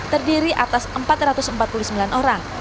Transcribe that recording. terdiri atas empat ratus empat puluh sembilan orang